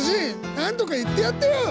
なんとか言ってやってよ！